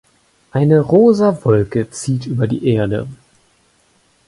Eine rosa Wolke zieht über die Erde.